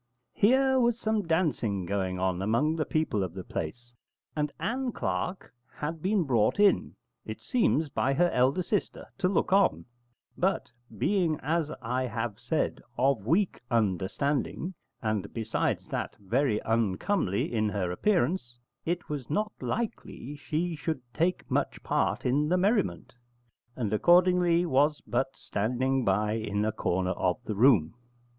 Here was some dancing going on among the people of the place, and Ann Clark had been brought in, it seems, by her elder sister to look on; but being, as I have said, of weak understanding, and, besides that, very uncomely in her appearance, it was not likely she should take much part in the merriment; and accordingly was but standing by in a corner of the room.